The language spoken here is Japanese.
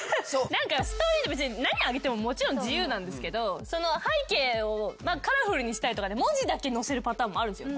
ストーリーって別に何あげても自由なんですけどその背景をカラフルにしたりとかで文字だけ載せるパターンもあるんですよ。